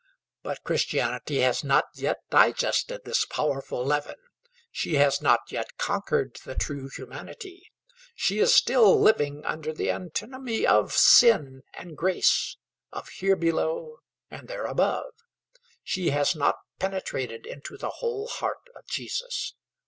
But Christianity has not yet digested this powerful leaven. She has not yet conquered the true humanity; she is still living under the antinomy of sin and grace, of here below and there above. She has not penetrated into the whole heart of Jesus.